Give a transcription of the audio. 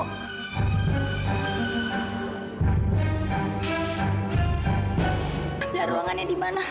camilla ruangannya dimana